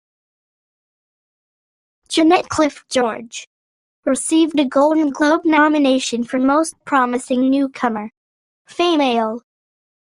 Jeanette Clift George received a Golden Globe nomination for Most Promising Newcomer - Female.